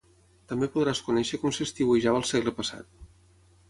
També podràs conèixer com s'estiuejava al segle passat